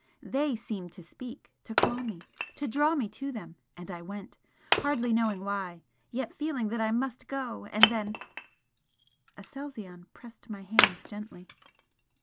THEY seemed to speak! to call me to draw me to them and I went hardly knowing why, yet feeling that I MUST go! and then " Aselzion pressed my hands gently.